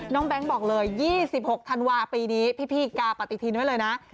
แก๊งบอกเลย๒๖ธันวาปีนี้พี่กาปฏิทินไว้เลยนะ